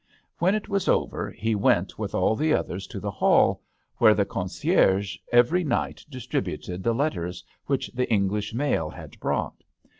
When it was over he went with all the others to the hall, where the concierge every night distributed the letters which the English mail had brought.